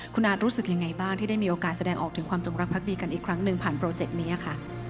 คุณอาร์ตรู้สึกยังไงบ้างที่ได้มีโอกาสแสดงออกถึงความจงรักพักดีกันอีกครั้งหนึ่งผ่านโปรเจกต์นี้ค่ะ